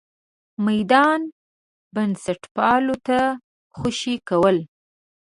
میدان بنسټپالو ته خوشې کول.